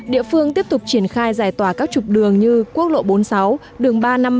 địa phương tiếp tục triển khai giải tỏa các trục đường như quốc lộ bốn mươi sáu đường ba trăm năm mươi